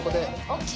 ＯＫ！